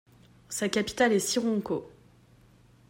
Sa capitale est Sironko.